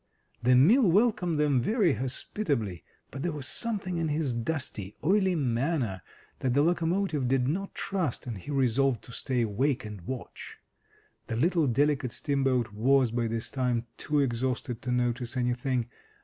The mill welcomed them very hospitably, but there was something in his dusty, oily manner that the locomotive did not trust, and he resolved to stay awake and watch. The little delicate steamboat was, by this time, too exhausted to notice anything.